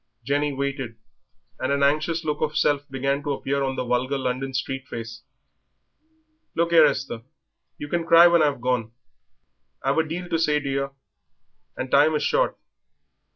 Jenny waited, and an anxious look of self began to appear on the vulgar London street face. "Look 'ere, Esther, you can cry when I've gone; I've a deal to say to yer and time is short."